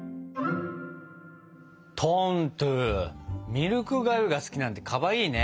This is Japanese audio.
ミルクがゆが好きなんてかわいいね。